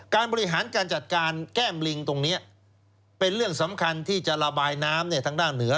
การบริหารการจัดการแก้มลิงตรงนี้เป็นเรื่องสำคัญที่จะระบายน้ำทางด้านเหนือ